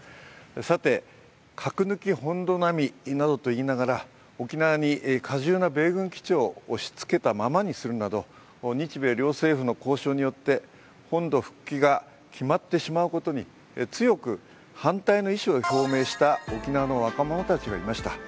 さて、核抜き本土並みなどと言いながら、沖縄に過重な米軍基地を押しつけたままにするなど日米両政府の交渉によって本土復帰が決まってしまうことに強く反対の意思を表明した沖縄の若者たちがいました。